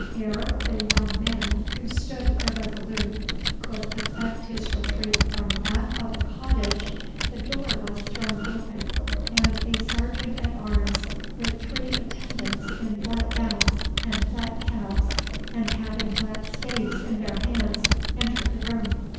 Ere the young man, who stood irresolute, could effect his retreat from the back of the cottage, the door was thrown open, and a serjeant at arms, with three attendants in black gowns and flat caps, and having black staves in their hands, entered the room.